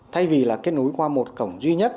thay vì là kết nối qua một cổng duy nhất